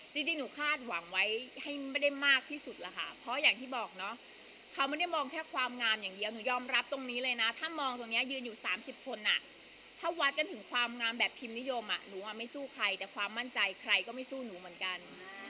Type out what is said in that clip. จริงหนูคาดหวังไว้ให้ไม่ได้มากที่สุดล่ะค่ะเพราะอย่างที่บอกเนาะเขาไม่ได้มองแค่ความงามอย่างเดียวหนูยอมรับตรงนี้เลยนะถ้ามองตรงนี้ยืนอยู่๓๐คนถ้าวัดกันถึงความงามแบบพิมพ์นิยมหนูไม่สู้ใครแต่ความมั่นใจใครก็ไม่สู้หนูเหมือนกัน